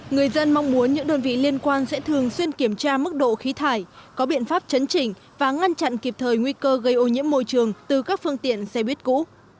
người dân mong muốn những đơn vị liên quan sẽ thường xuyên kiểm tra mức độ khí thải có biện pháp chấn chỉnh và ngăn chặn kịp thời nguy cơ gây ô nhiễm môi trường từ các phương tiện xe buýt cũ